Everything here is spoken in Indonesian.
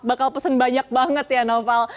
bakal pesen banyak banget ya noval